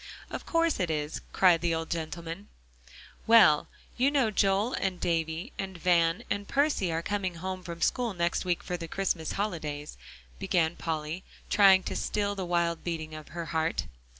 "Of course it is," cried the old gentleman. "Well, you know Joel and Davie and Van and Percy are coming home from school next week for the Christmas holidays," began Polly, trying to still the wild beating of her heart.